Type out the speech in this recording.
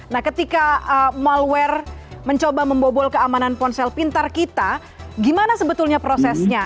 nah ketika malware mencoba membobol keamanan ponsel pintar kita gimana sebetulnya prosesnya